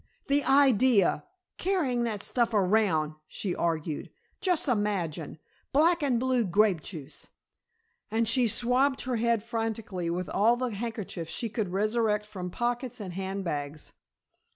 "The idea! Carrying that stuff around!" she argued. "Just imagine! Black and blue grape juice," and she swabbed her head frantically with all the handkerchiefs she could resurrect from pockets and hand bags.